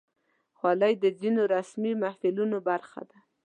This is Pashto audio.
خولۍ د ځینو رسمي محفلونو برخه ده.